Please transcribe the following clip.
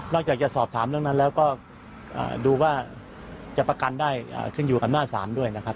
จากจะสอบถามเรื่องนั้นแล้วก็ดูว่าจะประกันได้ขึ้นอยู่อำนาจศาลด้วยนะครับ